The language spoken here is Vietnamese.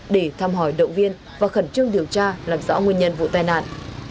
để thăm hỏi động viên và khẩn trương điều tra làm rõ nguyên nhân vụ tai nạn